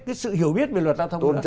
cái sự hiểu biết về luật giao thông